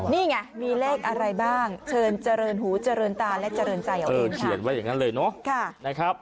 นี่ไงมีเลขอะไรบ้างเชิญเจริญหูเจริญตาและเจริญใจเอาเอง